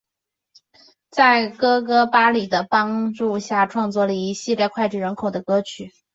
在哥哥巴里的帮助下创作了一系列脍炙人口的歌曲。